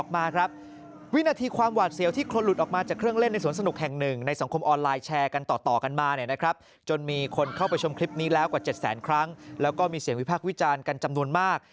มีเสียงวิพากษ์วิจารณ์กันจำนวนมาก